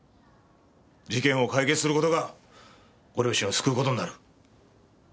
事件を解決する事がご両親を救う事になる。